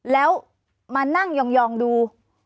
แล้วมานั่งยองดู